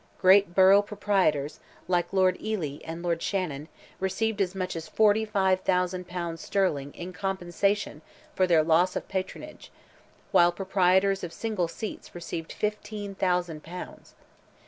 Great borough proprietors, like Lord Ely and Lord Shannon, received as much as 45,000 pounds sterling in "compensation" for their loss of patronage; while proprietors of single seats received 15,000 pounds.